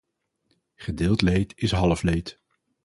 Gedeeld leed is half leed.